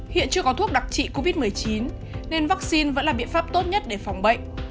hiện chưa có thuốc đặc trị covid một mươi chín nên vaccine vẫn là biện pháp tốt nhất để phòng bệnh